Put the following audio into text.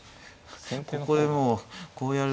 ここでもうこうやる気力が。